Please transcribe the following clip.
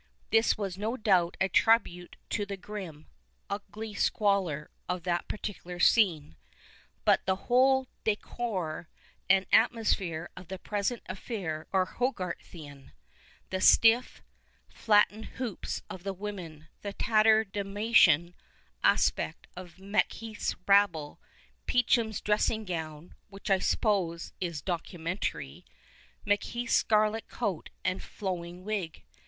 This was, no doubt, a tribute to the grim, ugly squalor of that particular scene. But the whole decor and atmosphere of the present affair are Hogarthian — the stiff, flattened hoops of the women, the tatter demalion aspect of Macheath's rabble, Peachum's dressing gown (which I suppose is " documentary "), Macheath's scarlet coat and flowing wig.